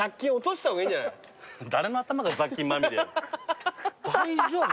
誰の頭が雑菌まみれや。